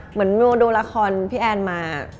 โมดูละครพี่แอนมา